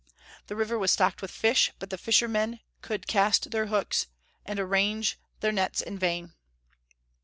The river was stocked with fish, but the fishermen should cast their hooks and arrange their nets in vain.